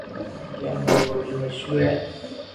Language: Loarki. ڪي امري ٻولو مݾھور ھي